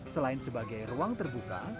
selain sebagai ruang terbuka